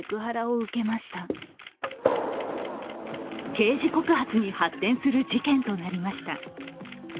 刑事告発に発展する事件となりました。